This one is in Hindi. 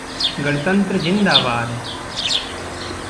गणतन्त्र ज़िंदाबाद!